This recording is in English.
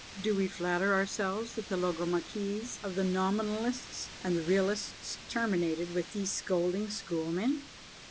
Do we flatter ourselves that the Logomachies of the Nominalists and the Realists terminated with these scolding schoolmen?